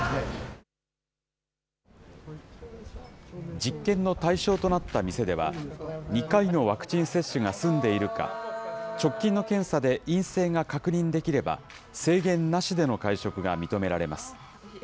実験の対象となった店では、２回のワクチン接種が済んでいるか、直近の検査で陰性が確認できれば、制限なしでの会食が認められます。